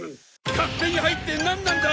勝手に入ってなんなんだ！